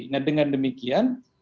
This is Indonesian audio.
nah dengan demikian